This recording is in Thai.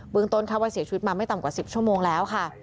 เบื้องต้นเข้าไปเสียชีวิตมาไม่ต่ำกว่าสิบชั่วโมงแล้วค่ะ